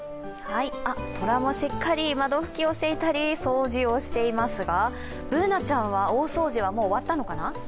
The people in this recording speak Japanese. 虎もしっかり窓拭きをしていたり掃除をしていますが、Ｂｏｏｎａちゃんは大掃除はもう終わったのかな？